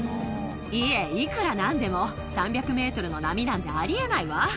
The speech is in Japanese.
いえ、いくらなんでも、３００メートルの波なんてありえないわ。